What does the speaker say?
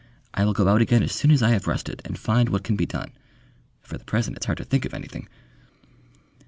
I will go out again as soon as I have rested, and find what can be done. For the present it's hard to think of anything...."